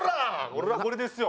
俺はこれですよ。